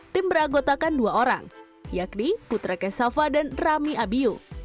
tim beranggotakan dua orang yakni putra kesafa dan rami abiyu